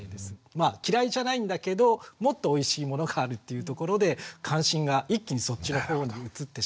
まあ嫌いじゃないんだけどもっとおいしいものがあるっていうところで関心が一気にそっちのほうに移ってしまう。